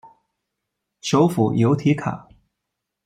首府由提卡。